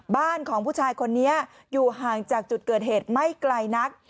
บ้านของผู้ชายคนนี้อยู่ห่างจากจุดเกิดเหตุไม่ไกลนัก